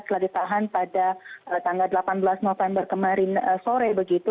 setelah ditahan pada tanggal delapan belas november kemarin sore begitu